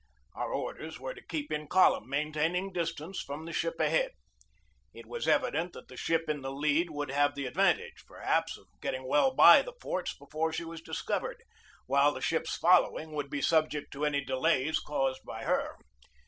Our orders were to keep in column, maintaining distance from the ship ahead. It was evident that the ship in the lead would have the advantage, perhaps, of getting well by the forts before she was discovered, while the ships following would be subject to any delays caused by her.